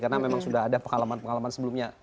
karena memang sudah ada pengalaman pengalaman sebelumnya